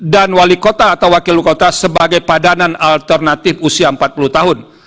dan wali kota atau wakil bupati sebagai padanan alternatif usia empat puluh tahun